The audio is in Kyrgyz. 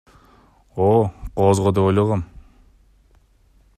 О, кооз го деп ойлогом.